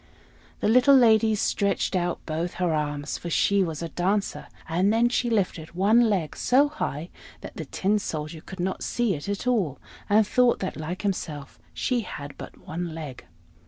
The little lady stretched out both her arms, for she was a dancer; and then she lifted one leg so high that the Tin Soldier could not see it at all, and thought that, like himself, she had but one leg.